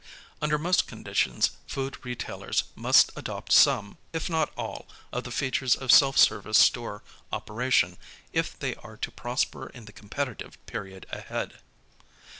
Under most conditions food retail ers must adopt some, if not all, of the features of self service store opera tion if they are to prosper in the competitive period ahead.